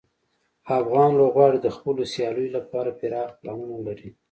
افغان لوبغاړي د خپلو سیالیو لپاره پراخ پلانونه لري.